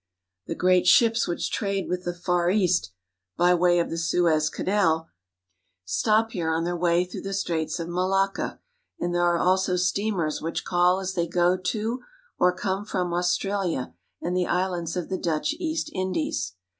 The great ships which trade with the Far East by way of the Suez Canal stop here on their way through the Straits of Malakka, and there are also steamers which call as they go to or come from AustraHa and the islands of the Dutch East Indies.